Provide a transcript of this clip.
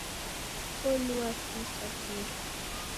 Olua fii sa kira.